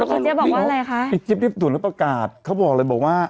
แล้วก็บอกว่าอะไรคะไอ้เจ๊บเรียบด่วนแล้วประกาศเขาบอกเลยบอกว่า